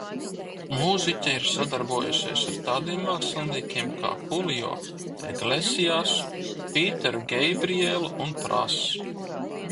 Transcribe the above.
"Mūziķe ir sadarbojusies ar tādiem māksliniekiem kā Hulio Eglesiasu, Pīteru Geibrielu un "Pras"."